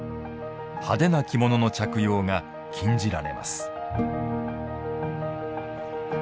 派手な着物の着用が禁じられます。